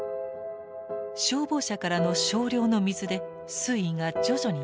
消防車からの少量の水で水位が徐々に上昇。